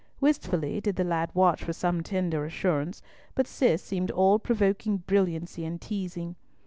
Wistfully did the lad watch for some such tender assurance, but Cis seemed all provoking brilliancy and teasing.